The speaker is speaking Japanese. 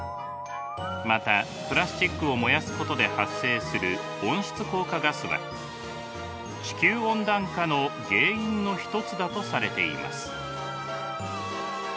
またプラスチックを燃やすことで発生する温室効果ガスは地球温暖化の原因の一つだとされています。